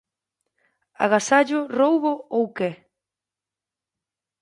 ¿Agasallo, roubo ou que?